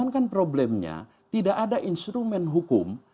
karena tidak ada instrumen hukum